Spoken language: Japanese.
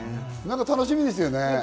楽しみですね。